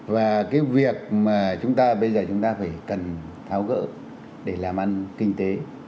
và cái việc mà chúng ta bây giờ chúng ta phải cần tháo gỡ để làm ăn kinh tế